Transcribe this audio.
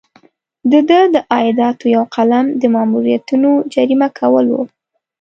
د ده د عایداتو یو قلم د مامورینو جریمه کول وو.